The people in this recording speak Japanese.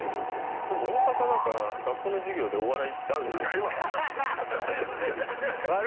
でも大阪だから学校の授業でお笑いってある。